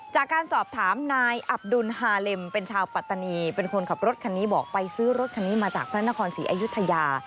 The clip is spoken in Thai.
จากการสอบถามนายอับดุลฮาเลมเป็นชาวปัตตานีเป็นคนขับรถคันนี้บอกไปซื้อรถคันนี้มาจากพระนครศรีอยุธยา